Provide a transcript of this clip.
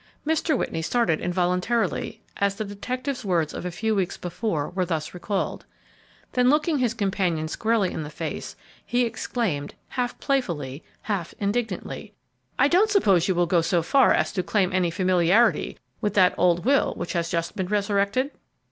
Mr. Whitney started involuntarily as the detective's words of a few weeks before were thus recalled, then looking his companion squarely in the face, he exclaimed, half playfully, half indignantly, "I don't suppose you will go so far as to claim any familiarity with that old will which has just been resurrected."